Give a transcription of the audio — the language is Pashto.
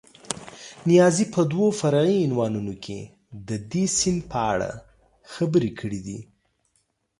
نیازي په دوو فرعي عنوانونو کې د دې سیند په اړه خبرې کړې دي.